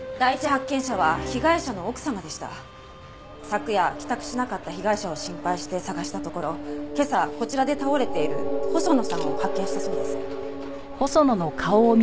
昨夜帰宅しなかった被害者を心配して捜したところ今朝こちらで倒れている細野さんを発見したそうです。